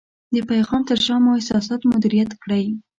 د پیغام تر شا مو احساسات مدیریت کړئ.